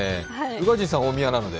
宇賀神さん、大宮なので。